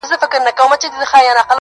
تنگ نظري نه کوم وخت راڅخه وخت اخيستی_